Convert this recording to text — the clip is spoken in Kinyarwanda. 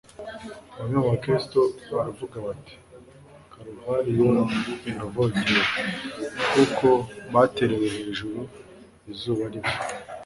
bamwe mu bakristu baravuga bati karuvariyo iravogewe, kuko yaterewe hejuru izuba riva